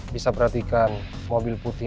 bisa perhatikan mobil putih